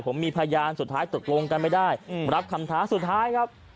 ผมมีพยานสุดท้ายตกลงกันไม่ได้รับคำท้าสุดท้ายครับ